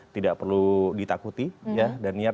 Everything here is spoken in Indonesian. tidak perlu ditakuti ya dan niat